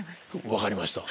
分かりました！